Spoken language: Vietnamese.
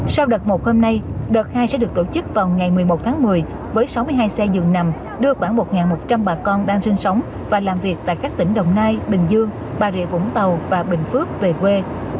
sau đợt một hôm nay đợt hai sẽ được tổ chức vào ngày một mươi một tháng một mươi với sáu mươi hai xe dường nằm đưa khoảng một một trăm linh bà con đang sinh sống và làm việc tại các tỉnh đồng nai bình dương bà rịa vũng tàu và bình phước về quê